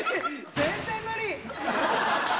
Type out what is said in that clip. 全然無理。